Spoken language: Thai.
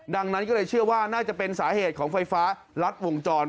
ดังนั้นก็เลยเชื่อว่าน่าจะเป็นสาเหตุของไฟฟ้ารัดวงจร